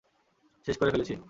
শেষ করে ফেলেছি।